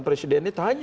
presiden ini hanya